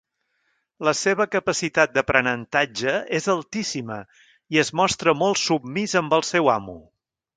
La seva capacitat d'aprenentatge és altíssima i es mostra molt submís amb el seu amo.